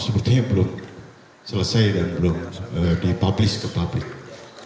sepertinya belum selesai dan belum dipublish ke publik